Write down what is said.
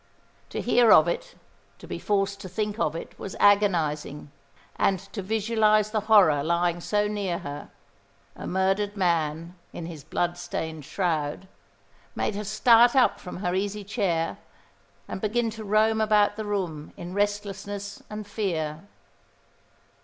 To hear of it, to be forced to think of it, was agonising; and to visualise the horror lying so near her, a murdered man in his bloodstained shroud, made her start up from her easy chair and begin to roam about the room in restlessness and fear.